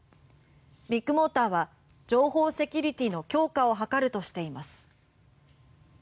ビッグモーターは情報セキュリティの強化を図るとしています。